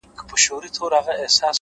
• مور مي خپه ده ها ده ژاړي راته؛